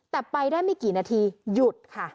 แต่ไปได้ไม่กี่นาทีหยุดค่ะ